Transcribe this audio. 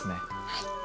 はい。